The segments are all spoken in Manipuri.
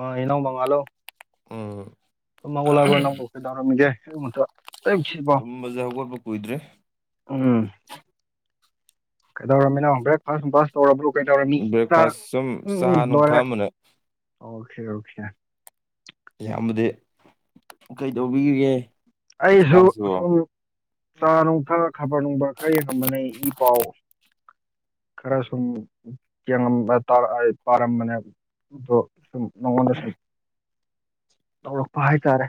ꯑꯥ ꯏꯅꯥꯎ ꯃꯉꯥꯜꯂꯣ ꯎꯝ ꯇꯨꯝ ꯍꯧꯒꯠꯂꯕ꯭ꯔꯣ ꯅꯪꯕꯨ ꯀꯩꯗꯧꯔꯝꯃꯤꯒꯦ ꯑꯌꯨꯛ ꯉꯟꯇ ꯇꯨꯝꯕꯖꯦ ꯍꯧꯒꯠꯄ ꯀꯨꯏꯗ‍꯭ꯔꯤ ꯎꯝ ꯀꯩꯗꯧꯔꯝꯃꯤꯅꯣ ꯕ꯭ꯔꯦꯛ ꯐꯥꯁ ꯅꯨꯡꯐꯥꯁ ꯇꯧꯔꯕ꯭ꯔꯣ ꯀꯩ ꯇꯧꯔꯅꯤ ꯈ꯭ꯔ ꯕ꯭ꯔꯦꯛꯐꯥꯁ ꯁꯨꯝ ꯎꯝ ꯎꯝ ꯆꯥ ꯅꯨꯡ ꯂꯣꯏꯔꯦ ꯊꯛꯑꯝꯕꯅꯦ ꯑꯣꯈꯦ ꯑꯣꯈꯦ ꯏꯌꯥꯝꯕꯗꯤ ꯀꯩꯗꯧꯕꯤꯔꯤꯒꯦ ꯑꯩꯁꯨ ꯍꯧꯖꯤꯛꯀꯥꯟꯁꯤꯕꯣ ꯁꯨꯝ ꯆꯥ ꯅꯨꯡ ꯊꯛꯑ ꯈꯕꯔ ꯅꯨꯡꯕꯔ ꯈꯔ ꯌꯦꯡꯉꯝꯕꯅꯦ ꯏ ꯄꯥꯎ ꯈꯔ ꯁꯨꯝ ꯌꯦꯡꯉꯝ ꯑꯥ ꯇꯥꯔꯥ ꯑꯥꯏ ꯄꯥꯔꯝꯕꯅꯦ ꯑꯗꯣ ꯁꯨꯝ ꯅꯉꯣꯟꯗ ꯁꯨꯝ ꯇꯧꯔꯛꯄ ꯍꯥꯏꯇꯥꯔꯦ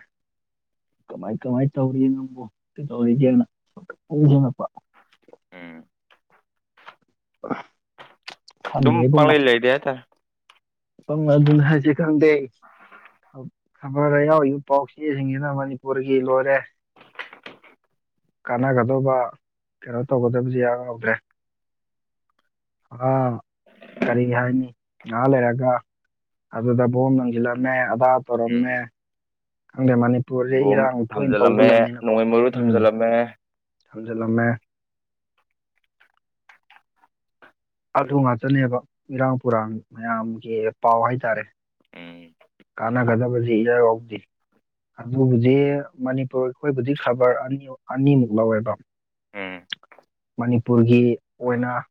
ꯀꯃꯥꯏ ꯀꯃꯥꯏ ꯇꯧꯔꯤ ꯅꯣꯕꯣ ꯀꯩꯗꯧꯔꯤꯒꯦꯅ ꯅꯤꯡꯁꯤꯡꯉꯛꯄ ꯎꯝ ꯑꯍ ꯑꯗꯨꯝ ꯄꯪꯂꯩ ꯂꯩꯔꯤ ꯍꯥꯏꯇꯥꯔꯦ ꯄꯪ ꯑꯗꯨꯅꯦ ꯍꯥꯏꯁꯦ ꯈꯪꯗꯦ ꯈꯕꯔꯗ ꯌꯥꯎꯔꯤꯕ ꯄꯥꯎ ꯆꯦꯁꯤꯡꯁꯤꯅ ꯃꯅꯤꯄꯨꯔꯒꯤ ꯂꯣꯏꯔꯦ ꯀꯥꯟꯅꯒꯗꯧꯕ ꯀꯩꯅꯣ ꯇꯧꯒꯗꯕꯖꯤ ꯏꯌꯥꯎ ꯌꯥꯎꯗ꯭ꯔꯦ ꯑꯥ ꯀꯔꯤ ꯍꯥꯏꯅꯤ ꯉꯍꯥꯛ ꯂꯩꯔꯒ ꯑꯗꯨꯗ ꯕꯣꯝ ꯂꯪꯖꯤꯜꯂꯝꯃꯦ ꯑꯗꯥ ꯎꯝ ꯇꯧꯔꯝꯃꯦ ꯈꯪꯗꯦ ꯃꯅꯤꯄꯨꯔꯖꯦ ꯒꯣꯝ ꯏꯔꯥꯡ ꯇꯣꯏꯅ ꯇꯧꯕ ꯊꯝꯖꯤꯜꯂꯝꯃꯦ ꯂꯝꯅꯤꯅꯀꯣ ꯅꯣꯡꯃꯩ ꯃꯔꯨ ꯎꯝ ꯊꯝꯖꯤꯜꯂꯝꯃꯦ ꯊꯝꯖꯤꯜꯂꯝꯃꯦ ꯑꯗꯨ ꯉꯥꯛꯇꯅꯦꯕ ꯏꯔꯥꯡ ꯄꯨꯔꯥꯡ ꯃꯌꯥꯝꯒꯤ ꯄꯥꯎ ꯍꯥꯏꯇꯥꯔꯦ ꯎꯝ ꯀꯥꯟꯅꯒꯗꯕꯁꯤ ꯏꯔ ꯌꯥꯥꯎꯗꯦ ꯑꯗꯨꯕꯨꯗꯤ ꯃꯅꯤꯄꯨꯔ ꯑꯩꯈꯣꯏꯕꯨꯗꯤ ꯈꯕꯔ ꯑꯅꯤ ꯑꯅꯤꯃꯨꯛ ꯂꯧꯋꯦꯕ ꯎꯝ ꯃꯅꯤꯄꯨꯔꯒꯤ ꯑꯣꯏꯅ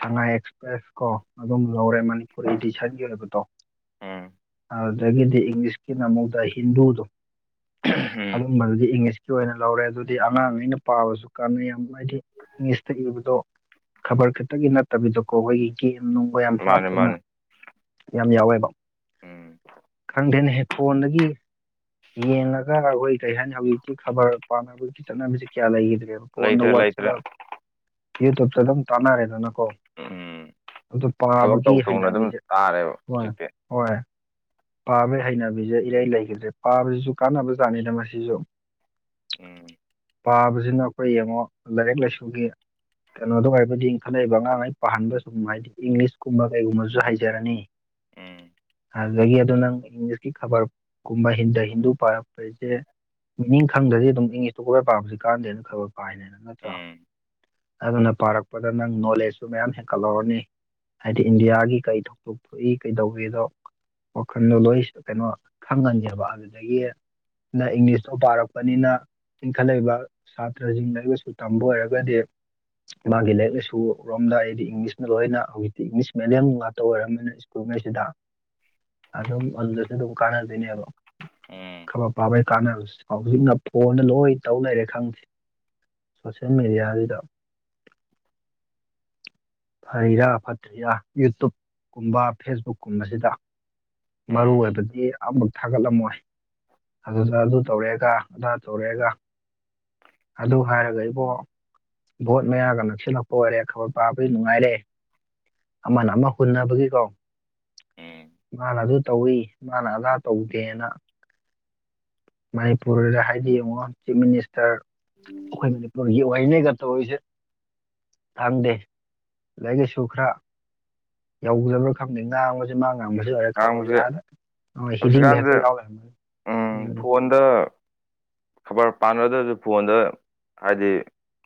ꯁꯉꯥꯏ ꯑꯦꯛꯁꯄ꯭ꯔꯦꯁ ꯀꯣ ꯑꯗꯨꯝ ꯂꯧꯔꯦ ꯃꯅꯤꯄꯨꯔ ꯏꯗꯤꯁꯟꯒꯤ ꯑꯣꯏꯕꯗꯣ ꯎꯝ ꯑꯗꯨꯗꯒꯤꯗꯤ ꯏꯪꯂꯤꯁꯀꯤꯅꯃꯨꯛ ꯗꯥ ꯍꯤꯟꯗꯨꯗꯣ ꯎꯝ ꯑꯗꯨꯝꯕꯗꯨꯗꯤ ꯏꯪꯂꯤꯁꯀꯤ ꯑꯣꯏꯅ ꯂꯧꯔꯦ ꯑꯗꯨꯗꯤ ꯑꯉꯥꯡ ꯒꯩꯅ ꯄꯥꯕꯁꯨ ꯀꯥꯟꯅꯩ ꯌꯥꯝ ꯍꯥꯏꯗꯤ ꯏꯪꯂꯤꯁꯇ ꯏꯕꯗꯣ ꯈꯕꯔ ꯈꯛꯇꯒꯤ ꯅꯠꯇꯕꯤꯗꯀꯣ ꯑꯩꯈꯣꯏꯒꯤ ꯒꯦꯝ ꯅꯨꯡꯒ ꯌꯥꯝ ꯃꯥꯅꯦ ꯍꯥꯞꯇꯅ ꯃꯥꯅꯦ ꯌꯥꯝ ꯌꯥꯎꯋꯦꯕ ꯎꯝ ꯈꯪꯗꯦꯅꯦꯍꯦ ꯐꯣꯟꯗꯒꯤ ꯌꯦꯡꯉꯒ ꯑꯩꯈꯣꯏ ꯀꯔꯤ ꯍꯥꯏꯅꯤ ꯍꯧꯖꯤꯛꯇꯤ ꯈꯕꯔ ꯄꯥꯅꯕꯒꯤ ꯆꯠꯅꯕꯤꯁꯦ ꯀꯌꯥ ꯂꯩꯈꯤꯗ꯭ꯔꯦꯕ ꯐꯣꯟꯗ ꯂꯩꯇ꯭ꯔꯦ ꯂꯩꯇ꯭ꯔꯦ ꯋꯥꯆꯞ ꯌꯨꯇꯨꯨꯞꯇ ꯑꯗꯨꯝ ꯇꯥꯟꯅꯔꯦꯗꯅꯀꯣ ꯎꯝ ꯑꯗꯨ ꯊꯕꯛ ꯄꯥꯕꯒꯤ ꯇꯧ ꯇꯧꯅ ꯑꯗꯨꯝ ꯍꯩꯅꯕꯤꯁꯦ ꯇꯥꯔꯦꯕ ꯍꯣꯏ ꯍꯧꯖꯤꯛꯇꯤ ꯍꯣꯏ ꯄꯥꯕꯩ ꯍꯩꯅꯕꯤꯁꯦ ꯏꯔꯥꯏ ꯂꯩꯒꯤꯗ꯭ꯔꯦ ꯄꯥꯕꯁꯤꯁꯨ ꯀꯥꯟꯅꯕꯖꯥꯠꯅꯤꯗ ꯃꯁꯤꯁꯨ ꯎꯝ ꯄꯥꯕꯁꯤꯅ ꯑꯩꯈꯣꯏ ꯌꯦꯡꯉꯣ ꯂꯥꯏꯔꯤꯛ ꯂꯥꯏꯁꯨꯒꯤ ꯀꯩꯅꯣꯗ ꯥꯣꯏꯔꯕꯨꯗꯤ ꯏꯟꯈꯠꯂꯛꯏꯕ ꯑꯉꯥꯡꯉꯩ ꯄꯥꯍꯟꯕ ꯁꯨꯝ ꯍꯥꯏꯗꯤ ꯏꯪꯂꯤꯁꯀꯨꯝꯕ ꯀꯩꯒꯨꯝꯕꯁꯨ ꯍꯩꯖꯔꯅꯤ ꯎꯝ ꯑꯗꯨꯗꯒꯤ ꯑꯗꯨ ꯅꯪ ꯏꯪꯂꯤꯁꯀꯤ ꯈꯕꯔꯒꯨꯝꯕ ꯍꯤꯟꯗ ꯗ ꯍꯤꯟꯗꯨ ꯄꯥꯔꯛꯄꯁꯦ ꯃꯤ ꯈꯪꯗ꯭ꯔꯗꯤ ꯑꯗꯨꯝ ꯏꯪꯂꯤꯁꯇꯨ ꯀꯔ ꯄꯥꯕꯁꯤ ꯀꯥꯟꯗꯦꯅ ꯈꯕꯔ ꯄꯥꯏꯅꯦꯅ ꯅꯠꯇ꯭ꯔꯣ ꯎꯝ ꯑꯗꯨꯅ ꯄꯥꯔꯛꯄꯗ ꯅꯪ ꯅꯣꯂꯦꯖꯁꯨ ꯃꯌꯥꯝ ꯍꯦꯟꯀꯠꯍꯧꯔꯅꯤ ꯍꯥꯏꯗꯤ ꯏꯟꯗꯤꯌꯥꯒꯤ ꯀꯩ ꯊꯧꯗꯣꯛ ꯊꯣꯛꯏ ꯀꯩꯗꯧꯏꯗꯣ ꯋꯥꯈꯟꯗꯣ ꯂꯣꯏ ꯀꯩꯅꯣ ꯈꯪꯉꯅꯤꯕ ꯑꯗꯨꯗꯒꯤ ꯅꯪ ꯏꯪꯂꯤꯁꯇꯣ ꯄꯥꯔꯛꯄꯅꯤꯅ ꯏꯟꯈꯠꯂꯛꯏꯕ ꯁꯥꯇ꯭ꯔꯁꯤꯡ ꯂꯥꯏꯔꯤꯛ ꯂꯥꯏꯁꯨ ꯇꯝꯕ ꯑꯣꯏꯔꯒꯗꯤ ꯃꯥꯒꯤ ꯂꯥꯏꯔꯤꯛ ꯂꯥꯏꯁꯨ ꯔꯣꯝꯗ ꯑꯩꯗꯤ ꯏꯪꯂꯤꯁꯅ ꯂꯣꯏꯅ ꯍꯧꯖꯤꯛꯇꯤ ꯏꯪꯂꯤꯁ ꯃꯦꯗꯤꯌꯝ ꯉꯥꯛꯇ ꯑꯣꯏꯔꯕꯝꯅꯤꯅ ꯎꯃꯦꯁꯤꯗ ꯑꯗꯨꯝ ꯑꯗꯨꯗꯁꯨ ꯑꯗꯨꯝ ꯀꯥꯟꯅꯗꯣꯏꯅꯦꯕ ꯎꯝ ꯈꯕꯔ ꯄꯥꯕꯩ ꯀꯥꯟꯅꯔꯁꯤ ꯍꯧꯖꯤꯛꯅ ꯐꯣꯟꯗ ꯂꯣꯏ ꯇꯧꯅꯔꯦ ꯈꯪꯗꯦ ꯁꯣꯁꯤꯌꯦꯜ ꯃꯦꯗꯤꯌꯥꯁꯤꯗ ꯐꯩꯔꯥ ꯐꯠꯇ꯭ꯔꯤꯔꯥ ꯌꯨꯇꯨꯞꯀꯨꯝꯕ ꯐꯦꯁꯕꯨꯛꯀꯨꯝꯕꯁꯤꯗ ꯃꯔꯨ ꯎꯝ ꯑꯣꯏꯕꯗꯤ ꯑꯃꯨꯛ ꯊꯥꯒꯠꯂꯝꯃꯣꯏ ꯐꯖꯖ ꯑꯗꯨ ꯇꯧꯔꯛꯑꯦꯒ ꯑꯗꯥ ꯇꯧꯔꯛꯑꯦꯒ ꯑꯗꯨ ꯍꯥꯏꯔꯒ ꯏꯕꯣ ꯚꯣꯠ ꯃꯌꯥꯒ ꯅꯛꯁꯤꯜꯂꯛꯄ ꯑꯣꯏꯔꯦ ꯈꯕꯔ ꯄꯥꯕꯗꯤ ꯅꯨꯡꯉꯥꯏꯔꯦ ꯑꯃꯅ ꯑꯃ ꯍꯨꯟꯅꯕꯒꯤꯀꯣ ꯎꯝ ꯃꯥꯅ ꯑꯗꯨ ꯇꯧꯏ ꯃꯥꯅ ꯑꯗꯥ ꯇꯧꯗꯦꯅ ꯃꯅꯤꯄꯨꯔꯗ ꯍꯥꯏꯗꯤ ꯌꯦꯡꯉꯣ ꯆꯤꯞ ꯃꯤꯅꯤꯁꯇꯔ ꯑꯩꯈꯣꯏ ꯃꯅꯤꯄꯨꯔꯒꯤ ꯑꯣꯏꯅꯤꯒ ꯇꯧꯔꯤꯁꯦ ꯈꯪꯗꯦ ꯂꯥꯏꯔꯤꯛ ꯂꯥꯏꯁꯨ ꯈꯔ ꯌꯧꯗꯕ꯭ꯔꯥ ꯈꯪꯗꯦ ꯉꯥꯡꯕ ꯃꯥ ꯉꯥꯡꯕꯁꯨ ꯑꯣꯏꯔꯦ ꯈꯕꯔ ꯉꯥꯡꯕꯁꯦ ꯑꯗ ꯍꯤꯗꯤꯡꯗ ꯍꯦꯛꯇ ꯍꯧꯖꯤꯛꯀꯥꯟꯁꯦ ꯌꯥꯎꯔ ꯂꯩꯔꯝꯃꯦ ꯎꯝ [unintelligible] ꯈꯕꯔ ꯄꯥꯟꯅꯗ꯭ꯔꯁꯨ ꯐꯣꯟꯗ ꯍꯥꯏꯗꯤ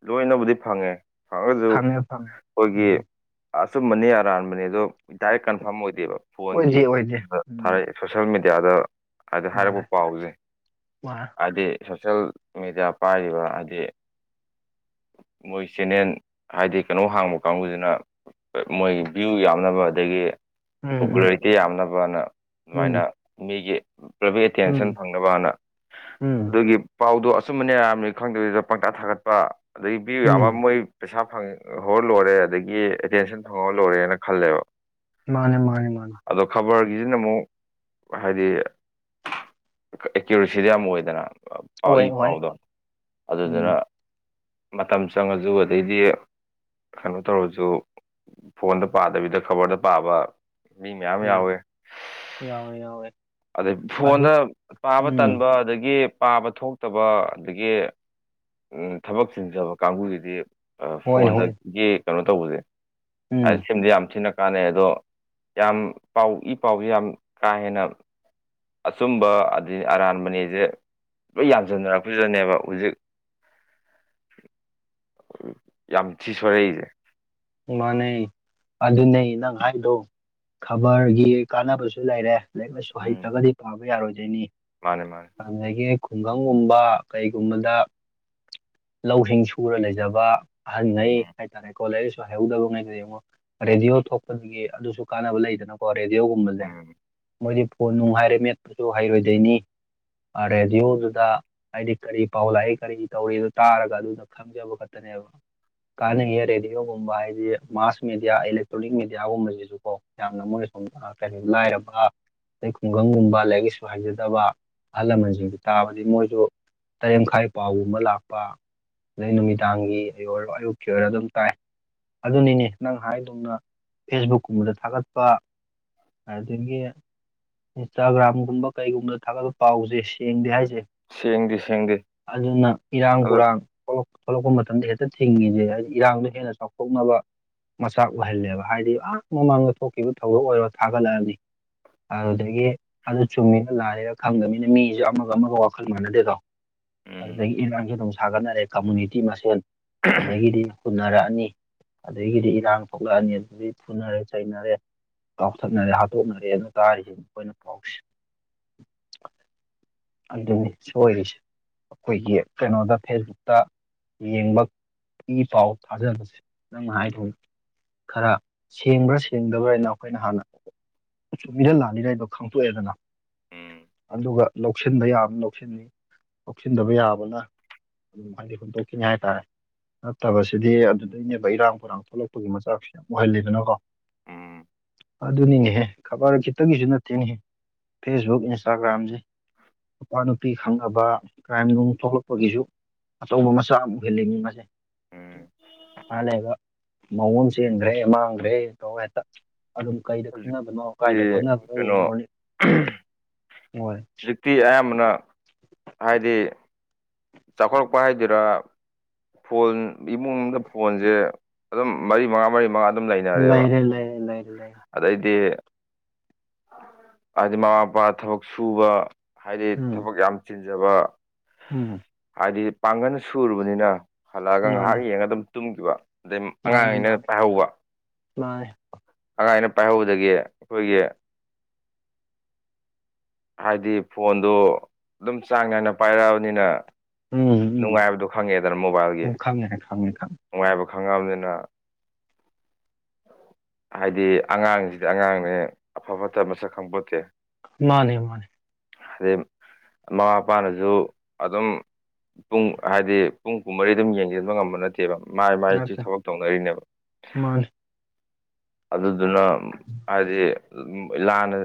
ꯂꯣꯏꯅꯕꯨꯗꯤ ꯐꯪꯉꯦ [unintelligible] ꯐꯪꯉꯦ ꯐꯪꯉꯦ ꯑꯩꯈꯣꯏꯒꯤ ꯎꯝ ꯑꯆꯨꯝꯕꯅꯤ ꯑꯔꯥꯟꯕꯅꯤ ꯑꯗꯣ ꯗꯥꯏꯔꯦꯛ ꯀꯟꯐꯥꯔꯝ ꯑꯣꯏꯗꯦꯕ ꯑꯣꯏꯗꯦ ꯐꯣꯟꯒꯤ ꯑꯣꯏꯗꯦ ꯎꯝ ꯊꯥꯔꯛꯑꯦꯕ ꯁꯣꯁꯌꯦꯅ ꯃꯦꯗꯤꯌꯥꯗ ꯍꯥꯏꯗꯤ ꯃꯥꯅꯦ ꯍꯥꯏꯔꯛꯄ ꯄꯥꯎꯁꯦ ꯃꯥ ꯍꯥꯏꯗꯤ ꯁꯣꯁꯦꯜ ꯃꯦꯗꯤꯌꯥ ꯄꯥꯏꯔꯤꯕ ꯍꯥꯏꯗꯤ ꯃꯣꯏ ꯆꯦꯟꯅꯜ ꯍꯥꯏꯗꯤ ꯀꯩꯅꯣ ꯍꯥꯡꯕ ꯀꯥꯡꯕꯨꯁꯤꯅ ꯃꯣꯏ ꯚ꯭ꯌꯨ ꯌꯥꯝꯅꯕ ꯑꯗꯒꯤ ꯎꯝ ꯎꯝ ꯄꯣꯄꯨꯂꯔꯤꯇꯤ ꯌꯥꯝꯅꯕꯅ ꯑꯗꯨꯃꯥꯏꯅ ꯎꯝ ꯃꯤꯒꯤ ꯄ꯭ꯔꯚ ꯑꯦꯇꯦꯟꯁꯟ ꯎꯝ ꯐꯪꯉ ꯅ ꯎꯝ ꯑꯗꯨꯒꯤ ꯄꯥꯎꯗꯣ ꯑꯆꯨꯝꯕꯅꯦ ꯌꯥꯝꯅꯤ ꯈꯪꯗꯗꯨꯗ ꯄꯪꯇꯥ ꯊꯥꯒꯠꯄ ꯑꯗꯒꯤ ꯄꯤꯌꯨ ꯎꯝ ꯌꯥꯝꯕ ꯃꯣꯏ ꯄꯩꯁꯥ ꯐꯪꯍꯔ ꯂꯣꯏꯔꯦ ꯑꯗꯒꯤ ꯑꯦꯇꯦꯟꯁꯟ ꯐꯪꯍꯔ ꯂꯣꯏꯔꯦꯅ ꯈꯜꯂꯦꯕ ꯃꯥꯅꯦ ꯃꯥꯅꯦ ꯃꯥꯅꯦ ꯑꯗꯣ ꯈꯕꯔꯒꯤꯁꯤꯅ ꯑꯃꯨꯛ ꯍꯥꯏꯗꯤ ꯑꯦꯀ꯭ꯌꯨꯔꯦꯁꯤꯗ ꯌꯥꯝ ꯑꯣꯏꯗꯅ ꯄꯥꯎ ꯑꯣꯏ ꯏ ꯑꯣꯏ ꯄꯥꯎꯗꯣ ꯑꯗꯨꯗꯨꯅ ꯎꯝ ꯃꯇꯝ ꯆꯪꯉꯁꯨ ꯑꯗꯩꯗꯤ ꯀꯩꯅꯣ ꯇꯧꯔꯁꯨ ꯐꯣꯟꯗ ꯄꯥꯗꯕꯤꯗ ꯈꯕꯔꯗ ꯄꯥꯕ ꯃꯤ ꯃꯌꯥꯝ ꯎꯝ ꯌꯥꯎꯋꯦ ꯌꯥꯎꯋꯦ ꯌꯥꯎꯋꯦ ꯑꯗꯩ ꯑꯗꯨ ꯐꯣꯟꯗ ꯄꯥꯕ ꯎꯝ ꯇꯟꯕ ꯑꯗꯒꯤ ꯄꯥꯕ ꯊꯣꯛ ꯐꯠꯇꯕ ꯑꯗꯒꯤ ꯊꯕꯛ ꯆꯤꯟꯖꯕ ꯀꯥꯡꯕꯨꯒꯤꯗꯤ ꯍꯣꯏ ꯍꯣꯏ ꯐꯣꯟꯗꯒꯤ ꯀꯩꯅꯣ ꯇꯧꯕꯁꯦ ꯎꯝ ꯍꯥꯏꯗꯤ ꯁꯤꯝꯃꯗ ꯌꯥꯝ ꯊꯤꯅ ꯀꯥꯟꯅꯩ ꯑꯗꯣ ꯌꯥꯝ ꯄꯥꯎ ꯏ ꯄꯥꯎꯁꯦ ꯌꯥꯝ ꯀꯥ ꯍꯦꯟꯅ ꯑꯆꯨꯝꯕ ꯑꯩ ꯑꯔꯥꯟꯕꯅꯦꯁꯦ ꯂꯣꯏ ꯌꯥꯟꯁꯤꯟꯅꯔꯛꯄꯁꯤꯗꯅꯦꯕ ꯍꯧꯖꯤꯛ [unintelligible] ꯌꯥꯝ ꯊꯤ ꯁꯣꯏꯔꯛꯁꯤ ꯃꯥꯥꯟꯅꯩ ꯑꯗꯨꯅꯦ ꯍꯥꯏꯗꯣ ꯈꯕꯔꯒꯤ ꯀꯥꯟꯅꯕꯁꯨ ꯂꯩꯔꯦ ꯂꯥꯏꯔꯤꯛ ꯂꯥꯏꯁꯨ ꯎꯝ ꯍꯩꯇ꯭ꯔꯒꯗꯤ ꯄꯥꯕ ꯌꯥꯔꯣꯏꯗꯣꯏꯅꯤ ꯃꯥꯅꯦ ꯃꯥꯅꯦ ꯑꯗꯒꯤ ꯈꯨꯡꯒꯪꯒꯨꯝꯕ ꯀꯩꯒꯨꯝꯕꯗ ꯂꯧꯁꯤꯡ ꯁꯨꯔ ꯂꯩꯖꯕ ꯑꯍꯟꯉꯩ ꯎꯝ ꯍꯥꯏꯇꯥꯔꯦ ꯀꯣꯂꯦꯖ ꯍꯥꯏꯍꯧꯗꯕꯩꯒꯤ ꯌꯦꯡꯉꯣ ꯔꯦꯗꯤꯑꯣ ꯊꯣꯛꯄꯗꯒꯤ ꯑꯗꯨꯁꯨ ꯀꯥꯟꯅꯕ ꯂꯩꯗꯅꯀꯣ ꯔꯦꯗꯤꯑꯣꯒꯨꯝꯕꯁꯦ ꯎꯝ ꯃꯣꯏꯗꯤ ꯐꯣꯟ ꯅꯨꯡ ꯍꯥꯏꯥꯔꯦ ꯃꯦꯠꯄꯁꯨ ꯍꯩꯔꯣꯏꯗꯣꯏꯅꯤ ꯔꯦꯗꯤꯑꯣꯗꯨꯗ ꯍꯥꯏꯗꯤ ꯀꯔꯤ ꯄꯥꯎ ꯂꯥꯛꯏ ꯀꯔꯤ ꯇꯧꯔꯤꯣ ꯇꯥꯔꯒ ꯑꯗꯨꯗ ꯊꯖꯕ ꯈꯛꯇꯅꯦꯕ ꯎꯝ ꯀꯥꯅꯉꯔꯦꯗꯤꯣ ꯒꯨꯝꯕ ꯍꯥꯏꯗꯤ ꯃꯥꯁ ꯃꯦꯗꯤꯌꯥ ꯏꯂꯦꯛꯇ꯭ꯔꯣꯅꯤꯛ ꯃꯦꯗꯤꯌꯥꯒꯨꯝꯕꯁꯤꯁꯨ ꯀꯣ ꯌꯥꯝꯅ ꯃꯣꯏꯅ ꯁꯣꯝ ꯇ ꯀꯔꯤ ꯂꯥꯏꯔꯕ ꯑꯇꯩ ꯈꯨꯡꯒꯪꯒꯨꯝꯕ ꯂꯥꯏꯔꯤꯛ ꯂꯥꯏꯁꯨ ꯍꯩꯖꯗꯕ ꯑꯍꯜ ꯂꯃꯟꯁꯤꯡꯗꯨ ꯇꯥꯕꯗꯤ ꯃꯣꯏꯁꯨ ꯇꯔꯦꯠ ꯃꯈꯥꯏ ꯄꯥꯎꯒꯨꯝꯕ ꯂꯥꯛꯄ ꯑꯗꯩ ꯅꯨꯃꯤꯗꯥꯡꯒꯤ ꯑꯣꯏꯔ ꯑꯌꯨꯛꯀꯤ ꯑꯣꯏꯔꯣ ꯑꯗꯨꯝ ꯇꯥꯏ ꯑꯗꯨꯅꯤꯅꯦ ꯅꯪ ꯍꯥꯏꯗꯧꯅ ꯐꯦꯁꯕꯨꯛꯀꯨꯝꯕꯗ ꯊꯥꯒꯠꯄ ꯑꯗꯒꯤ ꯏꯟꯁꯇꯥꯒ꯭ꯔꯥꯝꯒꯨꯝꯕ ꯀꯩꯒꯨꯝꯕꯗ ꯊꯥꯒꯠꯂꯄ ꯄꯥꯎꯁꯦ ꯁꯦꯡꯗꯦ ꯍꯥꯏꯁꯦ ꯁꯦꯡꯗꯤ ꯁꯦꯡꯗꯦ ꯑꯗꯨꯅ ꯏꯔꯥꯡ ꯑꯗꯣ ꯄꯨꯔꯥꯡ ꯊꯣꯛꯂꯛꯄ ꯃꯇꯝꯗ ꯍꯦꯛꯇ ꯊꯤꯡꯉꯤꯁꯦ ꯍꯥꯏꯗꯤ ꯏꯔꯥꯡꯗꯣ ꯍꯦꯟꯅ ꯆꯥꯎꯊꯣꯛꯅꯕ ꯃꯆꯥꯛ ꯑꯣꯏꯍꯜꯂꯦꯕ ꯍꯥꯏꯗꯤ ꯑ ꯃꯃꯥꯡꯗ ꯊꯣꯛꯈꯤꯕ ꯊꯧꯗꯣꯛ ꯑꯣꯏꯔꯣ ꯊꯥꯒꯠꯂꯛꯑꯅꯤ ꯑꯗꯨꯗꯒꯤ ꯑꯗꯨ ꯆꯨꯝꯃꯤꯅ ꯂꯥꯅꯤꯒ ꯈꯪꯗꯅꯤꯅ ꯃꯤꯁꯨ ꯑꯃꯒ ꯑꯃꯒ ꯋꯥꯈꯜ ꯃꯥꯟꯅꯗꯦꯗꯣ ꯎꯝ ꯑꯗꯨꯗꯒꯤ ꯏꯔꯥꯡꯁꯨ ꯑꯗꯨꯝ ꯁꯥꯒꯠꯅꯔꯦ ꯀꯝꯃꯨꯅꯤꯇꯤ ꯃꯁꯦꯟ ꯑꯗꯨꯗꯒꯤꯗꯤ ꯍꯨꯟꯅꯔꯛꯑꯅꯤ ꯑꯗꯨꯗꯒꯤꯗꯤ ꯏꯔꯥꯡ ꯊꯣꯛꯂꯛꯑꯅꯤ ꯑꯗꯨꯗꯒꯤ ꯊꯨꯅꯔꯦ ꯆꯩꯅꯔꯦ ꯀꯥꯎꯊꯠꯅꯔꯦ ꯍꯥꯠꯇꯣꯛꯅꯔꯦ ꯑꯗꯨꯅ ꯇꯥꯔꯤꯁꯤ ꯃꯈꯣꯌ ꯄꯥꯎꯁꯦ ꯑꯗꯨꯅꯤ ꯁ ꯑꯣꯏꯔꯤꯁꯦ ꯑꯩꯈꯣꯏꯒꯤ ꯀꯩꯅꯣꯗ ꯐꯦꯁꯕꯨꯛꯇ ꯌꯦꯡꯕ ꯏ ꯄꯥꯎ ꯊꯥꯖꯕꯁꯦ ꯅꯪꯅ ꯍꯥꯏꯗ ꯈꯔ ꯁꯦꯡꯕ꯭ꯔꯥ ꯁꯦꯡꯗꯕ꯭ꯔꯅ ꯑꯩꯈꯣꯏꯅ ꯍꯥꯟꯅ ꯆꯨꯝꯃꯤꯗ ꯂꯥꯅꯤꯔ ꯍꯥꯏꯗꯣ ꯈꯪꯇꯣꯛꯑꯦꯗꯅ ꯎꯝ ꯑꯗꯨꯒ ꯂꯧꯁꯤꯟꯕ ꯌꯥꯝ ꯂꯧꯁꯤꯟꯅꯤ ꯂꯧꯁꯤꯟꯗꯕ ꯌꯥꯕꯅ ꯑꯗꯨꯝ ꯍꯥꯏꯗꯤ ꯍꯨꯟꯗꯣꯛꯈꯤꯅꯤ ꯍꯥꯏꯇꯥꯔꯦ ꯅꯠꯇꯕꯁꯤꯗꯤ ꯑꯗꯨ ꯂꯩꯅꯦꯕ ꯏꯔꯥꯡ ꯄꯣꯏꯔꯥꯡ ꯊꯣꯛꯂꯛꯄꯒꯤ ꯃꯆꯥꯛꯁꯨ ꯌꯥꯝ ꯑꯣꯏꯍꯜꯂꯤꯦꯗꯅꯀꯣ ꯎꯝ ꯑꯗꯨꯅꯤꯅꯦꯍꯦ ꯈꯕꯔ ꯈꯤꯇꯒꯤꯁꯨꯅ ꯊꯦꯡꯉ ꯐꯦꯁꯕꯨꯛ ꯏꯟꯁꯇꯥꯒ꯭ꯔꯥꯝꯁꯦ ꯅꯨꯄꯥ ꯅꯨꯄꯤ ꯈꯪꯅꯕ ꯀ꯭ꯔꯥꯏꯝꯒꯨꯝ ꯊꯣꯛꯂꯛꯄꯒꯤꯁꯨ ꯑꯆꯧꯕ ꯃꯆꯥ ꯑꯃꯨꯛ ꯑꯣꯏ ꯍꯦꯜꯂꯤ ꯃꯤ ꯃꯁꯦ ꯎꯝ ꯃꯥ ꯂꯩꯒ ꯃꯑꯣꯡ ꯆꯦꯟꯈ꯭ꯔꯦ ꯃꯥꯡꯈ꯭ꯔꯦ ꯇꯧ ꯍꯦꯛꯇ ꯑꯗꯨꯝ ꯀꯩꯗ ꯍꯧꯖꯤꯛꯇꯤ ꯈꯪꯅꯕꯅꯣ ꯀꯥꯏꯗ ꯈꯪꯅꯕꯅꯣ ꯀꯩꯅꯣ ꯌꯦꯡꯉꯣꯅꯤ ꯍꯣꯏ ꯍꯧꯖꯤꯛꯇꯤ ꯑꯌꯥꯝꯕꯅ ꯍꯥꯏꯗꯤ ꯆꯥꯎꯈꯠꯂꯛꯄ ꯍꯥꯏꯗꯨꯔꯥ ꯐꯣꯟ ꯏꯃꯨꯡꯗꯥ ꯐꯣꯟꯖꯦ ꯑꯗꯨꯝ ꯃꯔꯤ ꯃꯉꯥ ꯃꯔꯤ ꯃꯉꯥ ꯑꯗꯨꯝ ꯂꯩꯅꯔꯦꯕ ꯂꯩꯔꯦ ꯂꯩꯔꯦ ꯂꯩꯔꯦ ꯂꯩꯔꯦ ꯑꯗꯩꯗꯤ ꯍꯥꯏꯗꯤ ꯃꯃꯥ ꯃꯄꯥ ꯊꯕꯛ ꯁꯨꯕ ꯍꯥꯏꯗꯤ ꯊꯕꯛ ꯌꯥꯝ ꯆꯤꯟꯖꯕ ꯑꯝ ꯍꯥꯏꯗꯤ ꯄꯥꯡꯒꯟ ꯁꯨꯔꯨꯕꯅꯤꯅ ꯍꯜꯂꯛꯑꯒ ꯉꯥꯏꯍꯥꯛ ꯃꯥꯅꯦ ꯌꯦꯡꯉꯒ ꯑꯗꯨꯝ ꯇꯨꯝꯈꯤꯕ ꯑꯗꯩ ꯑꯉꯥꯡ ꯃꯥꯅꯦ ꯑꯩꯅ ꯃꯥꯅꯦ ꯄꯥꯏꯍꯧꯕ ꯃꯥꯅꯦ ꯑꯉꯥꯡ ꯑꯩꯅ ꯄꯥꯏꯍꯧꯕꯗꯒꯤ ꯑꯩꯈꯣꯏꯒꯤ ꯍꯥꯏꯗꯤ ꯐꯣꯟꯗꯣ ꯑꯗꯨꯝ ꯆꯥꯡ ꯅꯥꯏꯅ ꯄꯥꯏꯔꯛꯑꯕꯅꯤꯅ ꯎꯝ ꯎꯝ ꯅꯨꯡꯉꯥꯏꯕꯗꯣ ꯈꯪꯉꯦꯗꯅ ꯃꯣꯕꯥꯏꯜꯒꯤ ꯎꯝ ꯈꯪꯉꯦ ꯈꯪꯉꯦ ꯈꯪꯉꯦ ꯅꯨꯡꯉꯥꯏꯕ ꯈꯪꯉꯛꯑꯕꯅꯤꯅ ꯍꯥꯏꯗꯤ ꯑꯉꯥꯡꯁꯤꯗꯤ ꯑꯉꯥꯡꯅꯦ ꯑꯐꯥ ꯐꯠꯇꯥ ꯃꯁꯛ ꯈꯪꯄꯣꯠꯇꯦ ꯃꯥꯅꯦ ꯃꯥꯅꯦ ꯍꯥꯏꯗꯩ ꯃꯃꯥ ꯃꯄꯥꯅꯖꯨ ꯑꯗꯨꯝ ꯄꯨꯡ ꯍꯥꯏꯗꯤ ꯄꯨꯡ ꯀꯨꯃꯔꯤ ꯑꯗꯨꯝ ꯌꯦꯡꯖꯤꯟꯕ ꯉꯝꯕ ꯅꯠꯇꯦꯕ ꯃꯥꯏ ꯃꯥꯏꯁꯤ ꯅꯠꯇꯦ ꯊꯕꯛ ꯇꯧꯅꯔꯤꯅꯦꯕ ꯃꯥꯅꯦ ꯑꯗꯨꯗꯨꯅ ꯍꯥꯏꯗꯤ ꯂꯥꯟꯅ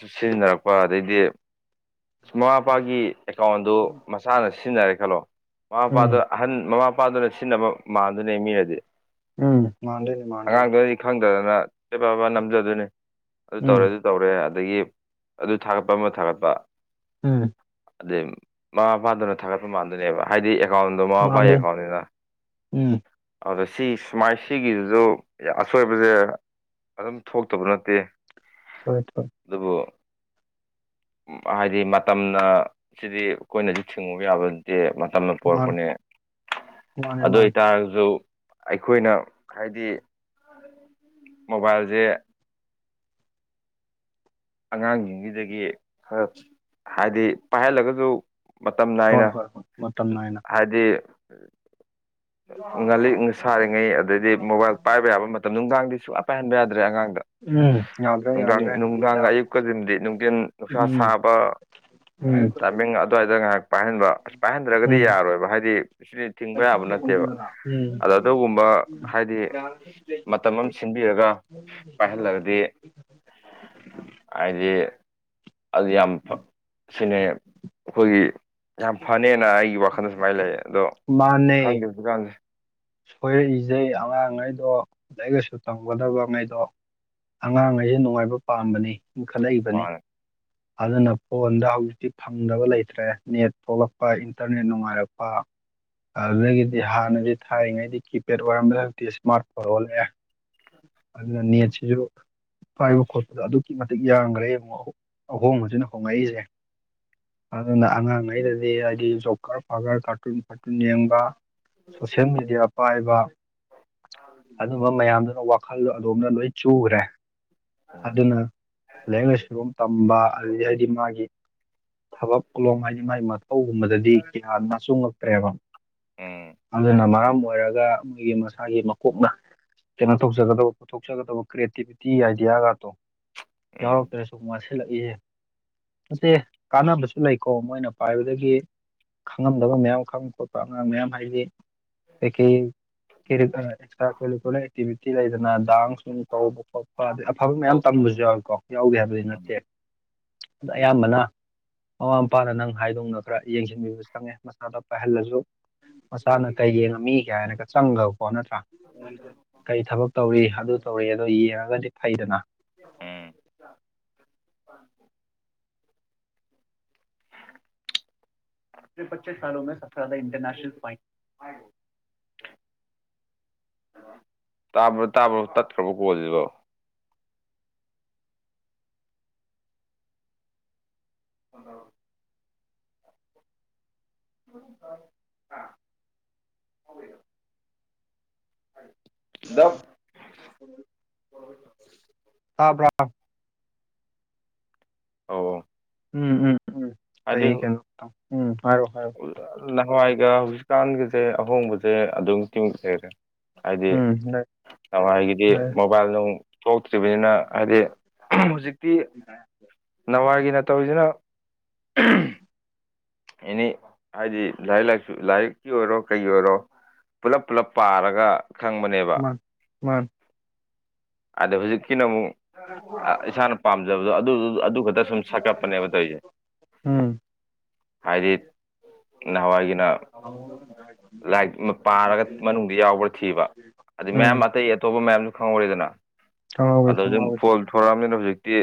ꯁꯤꯖꯤꯟꯅꯔꯛ ꯍꯣꯏ ꯑꯗꯩꯗꯤ ꯃꯃꯥ ꯃꯄꯥꯒꯤ ꯑꯦꯀꯥꯎꯟꯗꯨ ꯃꯁꯥꯅ ꯁꯤꯖꯤꯟꯅꯔꯦ ꯈꯜꯂꯣ ꯃꯃꯥ ꯎꯝ ꯃꯄꯥꯗꯨ ꯑꯍꯟ ꯃꯃꯥ ꯃꯄꯥꯗꯨꯅ ꯁꯤꯖꯤꯟꯅꯕ ꯃꯥꯟꯗꯨꯅꯦ ꯃꯤꯅꯗꯤ ꯎꯝ ꯃꯥꯟꯗꯣꯏꯅꯤ ꯃꯥꯟꯗꯣꯏꯅꯤ [unintelligible] ꯄꯦꯕ ꯄꯦꯕ ꯅꯝꯖꯗꯣꯏꯅꯤ ꯑꯗꯨ ꯎꯝ ꯇꯧꯔꯦ ꯑꯗꯨ ꯇꯧꯔꯦ ꯑꯗꯥꯒꯤ ꯑꯗꯨ ꯊꯥꯒꯠꯄ ꯑꯃ ꯊꯥꯒꯠꯄ ꯎꯝ ꯑꯗꯩ ꯃꯃꯥ ꯃꯄꯥꯗꯨꯅ ꯊꯥꯒꯠꯄ ꯃꯥꯟꯗꯣꯏꯅꯦꯕ ꯍꯥꯏꯗꯤ ꯑꯦꯀꯥꯎꯟꯗꯣ ꯃꯃꯥ ꯃꯄꯥ ꯃꯥꯟꯗꯣꯏꯅꯤ ꯑꯦꯀꯥꯎꯟꯅꯤꯅ ꯎꯝ ꯑꯎꯗꯥ ꯁꯤ ꯁꯨꯃꯥꯏ ꯁꯤꯒꯤꯖꯤꯖꯨ ꯑꯁꯣꯏꯕ ꯍꯥꯏꯁꯦ ꯑꯗꯨꯝ ꯊꯣꯛꯇꯕ ꯅꯠꯇꯦ ꯊꯣꯏ ꯊꯣꯏ ꯑꯗꯨꯕꯨ ꯍꯥꯏꯗꯤ ꯃꯇꯝꯅ ꯁꯤꯗꯤ ꯑꯩꯈꯣꯏꯅꯁꯨ ꯊꯤꯡꯉꯨꯕ ꯌꯥꯕ ꯇꯤ ꯃꯇꯝꯅ ꯃꯥꯅꯤ ꯄꯨꯔꯛꯄꯅꯦ ꯃꯥꯅꯤ ꯑꯗꯨ ꯃꯥꯅꯤ ꯑꯣꯏꯇꯥꯔꯒꯁꯨ ꯑꯩꯈꯣꯏꯅ ꯍꯥꯏꯗꯤ ꯃꯣꯕꯥꯏꯜꯖꯦ ꯑꯉꯥꯡꯖꯤꯡꯖꯤꯗꯥꯒꯤ ꯈꯔ ꯍꯥꯏꯗꯤ ꯄꯥꯏꯍꯜꯂꯒꯖꯨ ꯃꯇꯝ ꯍꯣꯏ ꯅꯥꯏꯅ ꯍꯣꯏ ꯍꯣꯏ ꯃꯇꯝ ꯅꯥꯏꯅ ꯍꯥꯏꯗꯤ [inaudible] ꯉꯥꯜꯂꯤꯛ ꯁꯥꯔꯤꯉꯩ ꯑꯗꯩꯗꯤ ꯃꯣꯕꯥꯏꯜ ꯄꯥꯏꯕ ꯌꯥꯕ ꯃꯇꯝ ꯅꯨꯡꯗꯥꯡꯗꯤ ꯁꯨꯡꯌꯥ ꯄꯥꯏꯍꯟꯕ ꯌꯥꯗ꯭ꯔꯦ ꯑꯉꯥꯡꯗꯥ ꯎꯝ ꯌꯥꯎꯗ꯭ꯔꯦ ꯌꯥꯎꯗ꯭ꯔꯦ ꯑꯉꯥꯡ ꯑꯌꯨꯛꯀꯥꯗꯤꯟꯗꯤ ꯅꯨꯡꯗꯤꯟ ꯅꯨꯡꯁꯥ ꯁꯥꯕ ꯎꯝ ꯇꯥꯏꯃꯤꯡ ꯑꯗꯨꯋꯥꯏꯗꯥ ꯉꯥꯏꯍꯥꯛ ꯄꯥꯏꯍꯟꯕ ꯑꯁ ꯄꯥꯏꯍꯟꯗ꯭ꯔꯒꯥꯗꯤ ꯎꯝ ꯎꯝ ꯌꯥꯔꯣꯏꯕ ꯍꯥꯏꯗꯤ ꯁꯤꯗꯤ ꯊꯤꯡꯕ ꯌꯥꯕ ꯅꯠꯇꯦꯕ ꯑꯗꯥ ꯑꯗꯨꯒꯨꯝꯕ ꯍꯥꯏꯗꯤ ꯃꯇꯝ ꯑꯃ ꯁꯤꯟꯕꯤꯔꯒꯥ ꯄꯥꯏꯍꯜꯂꯒꯥꯗꯤ ꯍꯥꯏꯗꯤ ꯑꯗꯨ ꯌꯥꯝ ꯁꯤꯅꯦ ꯑꯩꯈꯣꯏꯒꯤ ꯌꯥꯝ ꯐꯅꯦꯅ ꯑꯩꯒꯤ ꯋꯥꯈꯜꯗꯥ ꯁꯨꯃꯥꯏꯅ ꯂꯩ ꯑꯗꯣ ꯃꯥꯅꯦ [unintelligible] ꯁꯣꯏꯔꯛꯏꯖꯩ ꯑꯉꯥꯡꯉꯩꯗꯣ ꯂꯥꯏꯔꯤꯛ ꯂꯩꯁꯨ ꯇꯝꯒꯥꯗꯕꯉꯩꯗꯣ ꯑꯉꯥꯡ ꯍꯥꯏꯖꯦ ꯅꯨꯡꯉꯥꯏꯕ ꯄꯥꯝꯕꯅꯤ ꯏꯟꯈꯠꯂꯛꯏꯕꯅꯤ ꯃꯥꯅꯦ ꯑꯗꯨꯅ ꯐꯣꯟꯗꯥ ꯍꯧꯖꯤꯛꯇꯤ ꯐꯪꯗꯕ ꯂꯩꯇ꯭ꯔꯦ ꯅꯦꯠ ꯊꯣꯛꯂꯛꯄ ꯏꯟꯇꯔꯅꯦꯠ ꯅꯨꯡꯉꯥꯏꯔꯛꯄ ꯑꯗꯨꯗꯒꯤꯗꯤ ꯍꯥꯟꯅꯒꯤ ꯊꯥꯔꯤꯉꯩꯗꯤ ꯀꯤꯄꯦꯠ ꯑꯣꯏꯔꯝꯕꯅꯦ ꯍꯧꯖꯤꯛꯇꯤ ꯏꯁꯃꯥꯔꯠ ꯐꯣꯟ ꯑꯣꯜꯂꯦ ꯑꯗꯨꯅ ꯎꯝ ꯅꯦꯠ ꯁꯤꯁꯨ ꯄꯥꯏꯕ ꯈꯣꯠꯄꯗꯣ ꯑꯗꯨꯛꯀꯤ ꯃꯇꯤꯛ ꯌꯥꯝꯒ꯭ꯔꯦ ꯌꯦꯡꯉꯨ ꯑꯍꯣ ꯑꯍꯣꯡꯕꯖꯤꯅ ꯍꯣꯡꯉꯛꯏꯁꯦ ꯑꯗꯨꯅ ꯑꯉꯥꯡꯉꯩꯗꯗꯤ ꯍꯥꯏꯗꯤ ꯖꯣꯀ꯭ꯔ ꯐꯥꯀ꯭ꯔ ꯀꯥꯔꯇꯨꯟ ꯐꯥꯔꯇꯨꯟ ꯌꯦꯡꯕ ꯁꯣꯁꯦꯜ ꯃꯦꯗꯤꯌꯥ ꯄꯥꯏꯕ ꯑꯗꯨꯝꯕ ꯃꯌꯥꯝꯗꯨꯅ ꯋꯥ ꯋꯥꯈꯜꯗꯣ ꯑꯗꯣꯝꯗ ꯂꯣꯏ ꯆꯨꯒꯔꯦ ꯑꯗꯨꯅ ꯂꯥꯏꯔꯤꯛ ꯂꯥꯏꯁꯨꯒꯨꯝ ꯇꯝꯕ ꯑꯗꯨꯗꯥꯒꯤ ꯍꯥꯏꯗꯤ ꯃꯥꯒꯤ ꯊꯕꯛ ꯀꯨꯂꯣꯝ ꯍꯥꯏꯗꯤ ꯃꯥꯏ ꯃꯊꯧꯒꯨꯝꯕꯗꯥꯗꯤ ꯀꯤꯌꯥ ꯅꯆꯨꯡꯉꯛꯇ꯭ꯔꯦꯕ ꯎꯝ ꯑꯗꯨꯅ ꯃꯔꯝ ꯑꯣꯏꯔꯒꯥ ꯃꯣꯏꯒꯤ ꯃꯁꯥꯒꯤ ꯃꯀꯣꯛꯅ ꯀꯩꯅꯣ ꯇꯧꯖꯒꯥꯗꯕ ꯊꯣꯛꯆꯒꯥꯗꯕ ꯀ꯭ꯔꯤꯌꯦꯇꯤꯚꯤꯇꯤ ꯑꯥꯏꯗꯤꯌꯥꯒꯥꯇꯣ ꯎꯝ ꯌꯥꯎꯔꯛꯇ꯭ꯔꯦ ꯁꯨꯝ ꯋꯥꯁꯤꯜꯂꯛꯏꯌꯦ ꯃꯥꯁꯕꯤ ꯀꯥꯟꯅꯕꯁꯨ ꯂꯩꯀꯣ ꯃꯣꯏꯅ ꯄꯥꯏꯕꯗꯥꯒꯤ ꯈꯪꯉꯝꯗꯥꯕ ꯃꯌꯥꯝ ꯈꯪꯕ ꯈꯣꯠꯄ ꯑꯉꯥꯡ ꯃꯌꯥꯝ ꯍꯥꯏꯗꯤ ꯀꯩ ꯀꯩ ꯀꯦꯔꯛ ꯑ ꯑꯦꯛꯁꯇ‍꯭ꯔꯥ ꯀꯔꯤꯀꯨꯂꯝ ꯑꯦꯛꯇꯤꯕꯤꯇꯤ ꯂꯩꯗꯅ ꯗꯥꯡ ꯁꯨꯝ ꯇꯧꯕ ꯈꯣꯠꯄ ꯑꯗꯩ ꯑꯐꯕ ꯃꯌꯥꯝ ꯇꯝꯕꯖꯨ ꯌꯥꯎꯏꯀꯣ ꯌꯥꯎꯗꯦ ꯍꯥꯏꯕꯗꯤ ꯅꯠꯇꯦ ꯑꯌꯥꯝꯕꯅ ꯃꯃꯥ ꯃꯄꯥꯅ ꯅꯪ ꯍꯥꯏꯗꯣꯡꯅꯕ‍꯭ꯔꯥ ꯌꯦꯡꯁꯤꯟꯕꯤꯕꯁꯨ ꯆꯪꯉꯦ ꯃꯁꯥꯗ ꯄꯥꯏꯍꯜꯂꯁꯨ ꯃꯆꯥꯅ ꯀꯩ ꯌꯦꯡꯉꯝꯃꯤ ꯀꯥꯏꯅꯒ ꯆꯪꯒ꯭ꯔꯕꯀꯣ ꯅꯠꯇ꯭ꯔꯥ ꯀꯩ ꯊꯕꯛ ꯇꯧꯔꯤ ꯑꯗꯨ ꯇꯧꯔꯤ ꯑꯗꯣ ꯌꯦꯡꯉꯒꯗꯤ ꯐꯩꯗꯅ ꯎꯝ [unintelligible] ꯇꯥꯕ꯭ꯔ ꯇꯥꯕ꯭ꯔꯣ ꯇꯠꯈ꯭ꯔꯕ ꯀꯣꯜꯖꯤꯕꯣ ꯑ ꯑ [unintelligible] ꯗꯞ ꯎꯝ [inaudible] ꯇꯥꯕ꯭ꯔꯥ ꯑꯧ ꯑꯣ ꯎꯝ ꯎꯝ ꯎꯝ ꯍꯥꯏꯗꯤ ꯑꯩ ꯀꯩꯅꯣ ꯇꯧ ꯎꯝ ꯍꯥꯏꯔꯣ ꯍꯥꯏꯔꯣ ꯅꯍꯥꯟꯋꯥꯏꯒ ꯍꯧꯖꯤꯛꯀꯥꯟꯒꯁꯦ ꯑꯍꯣꯡꯕꯁꯦ ꯑꯗꯨꯀꯤꯃꯇꯤꯛ ꯂꯩꯔꯦ ꯍꯥꯏꯗꯤ ꯎꯝ ꯅꯋꯥꯏꯒꯤꯗꯤ ꯃꯣꯕꯥꯏꯜ ꯅꯨꯡ ꯊꯣꯛꯇ꯭ꯔꯤꯕꯅꯤꯅ ꯍꯥꯏꯗꯤ ꯍꯧꯖꯤꯛꯇꯤ ꯅꯋꯥꯏꯒꯤꯅ ꯇꯧꯔꯤꯖꯤꯅ ꯑꯦꯅꯤ ꯍꯥꯏꯗꯤ ꯂꯥꯏꯔꯤꯛ ꯂꯥꯏꯁꯨ ꯂꯥꯏꯔꯤꯛꯀꯤ ꯑꯣꯏꯔꯣ ꯀꯩꯒꯤ ꯑꯣꯏꯔꯣ ꯄꯨꯂꯞ ꯄꯨꯂꯞ ꯄꯥꯔꯒ ꯈꯪꯕꯅꯦꯕ ꯃꯥꯅꯤ ꯃꯥꯅꯤ ꯑꯗ ꯍꯧꯖꯤꯛꯀꯤꯅ ꯑꯃꯨꯛ ꯑ ꯏꯁꯥꯅ ꯄꯥꯝꯖꯕꯗꯣ ꯑꯗꯨꯗꯨ ꯑꯗꯨ ꯈꯛꯇ ꯁꯨꯝ ꯁꯛꯀꯠꯄꯅꯦꯕ ꯇꯧꯏꯁꯦ ꯎꯝ ꯍꯥꯏꯗꯤ ꯅꯍꯥꯟꯋꯥꯏꯒꯤꯅ ꯒꯥ [unintelligible] ꯂꯥꯏꯔꯤꯛꯁꯤꯃ ꯄꯥꯔꯒ ꯃꯅꯨꯡꯗ ꯌꯥꯎꯕ꯭ꯔꯥ ꯊꯤꯕ ꯑꯗꯩ ꯃꯌꯥꯝ ꯎꯝ ꯑꯇꯩ ꯑꯇꯣꯞꯄ ꯃꯌꯥꯝ ꯉꯧꯔꯦꯗꯅ ꯈꯪꯍꯧꯋꯤ ꯑꯗꯣ ꯖꯨꯝ ꯈꯪꯍꯧꯋꯤ ꯐꯣꯜ ꯊꯣꯔꯛꯑꯕꯅꯤꯅ ꯍꯧꯖꯤꯛꯇꯤ